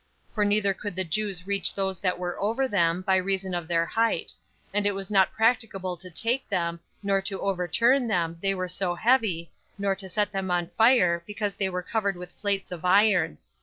For neither could the Jews reach those that were over them, by reason of their height; and it was not practicable to take them, nor to overturn them, they were so heavy, nor to set them on fire, because they were covered with plates of iron.